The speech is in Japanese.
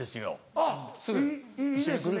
あっいいですね。